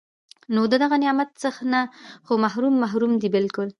نو د دغه نعمت نه خو محروم محروم دی بلکي